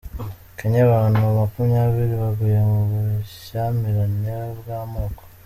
Kenya Abantu makumyabiri baguye mu bushyamirane bw’amoko